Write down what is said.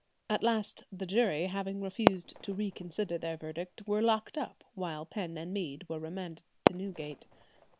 At last the jury, having refused to reconsider their verdict, were locked up; while Penn and Mead were remanded to Newgate.